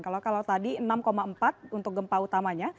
kalau tadi enam empat untuk gempa utamanya